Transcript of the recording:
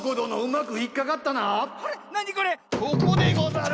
ここでござる！